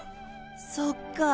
そっかぁ